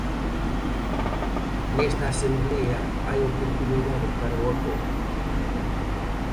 Nesta asemblea hai oportunidade para o acordo?